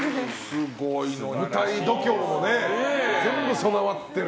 舞台度胸もね、全部備わってる。